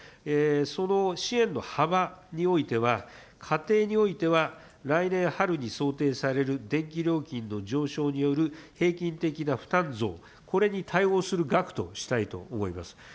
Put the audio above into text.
その支援の幅においては、家庭においては来年春に想定される電気料金の上昇による平均的な負担増、これに対応する額としたいと思います。